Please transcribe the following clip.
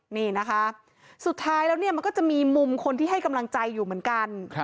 นี่นะคะสุดท้ายแล้วเนี่ยมันก็จะมีมุมคนที่ให้กำลังใจอยู่เหมือนกัน